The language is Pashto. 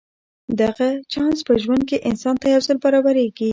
دغسې چانس په ژوند کې انسان ته یو ځل برابرېږي.